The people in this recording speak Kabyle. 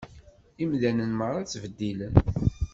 Imdanen meṛṛa ttbeddilen.